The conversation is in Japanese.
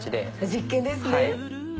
実験ですね。